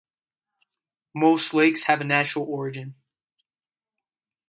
Most lakes have a natural origin.